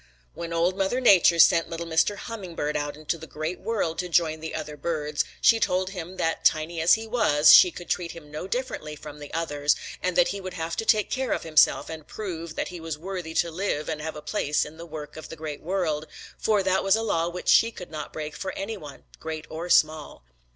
"When Old Mother Nature sent little Mr. Hummingbird out into the Great World to join the other birds, she told him that tiny as he was she could treat him no differently from the others, and that he would have to take care of himself and prove that he was worthy to live and have a place in the work of the Great World, for that was a law which she could not break for any one, great or small.